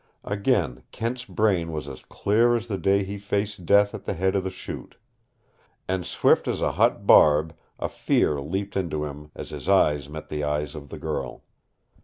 Again Kent's brain was as clear as the day he faced death at the head of the Chute. And swift as a hot barb a fear leaped into him as his eyes met the eyes of the girl.